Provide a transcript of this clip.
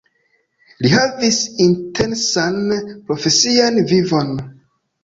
Li havis intensan profesian vivon.